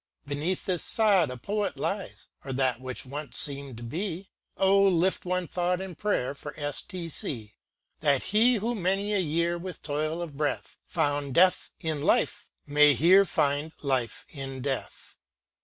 Beneath this sod A poet lies, or that which once seem'd he. — O, lift one thought in prayer for S. T. C. ; That he who many a year with toil of breath Found death in life, may here find life in death